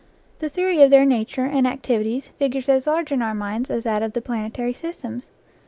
The theory of their nature and activities figures as large in our minds as that of the planetary systems.